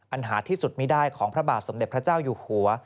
หาที่สุดไม่ได้ของพระบาทสมเด็จพระเจ้าอยู่หัว